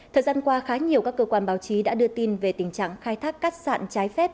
thời gian qua khá nhiều các cơ quan báo chí đã đưa tin về tình trạng khai thác cát sạn trái phép